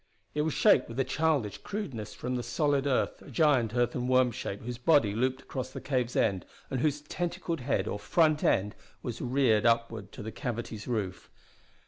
It was shaped with a childish crudeness from the solid earth, a giant earthen worm shape whose body looped across the cave's end, and whose tentacled head or front end was reared upward to the cavity's roof.